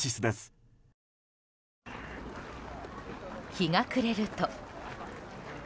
日が暮れると。